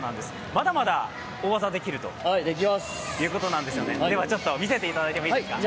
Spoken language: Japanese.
まだまだ大技ができるということなんですよねでは、見せていただいてもいいですか？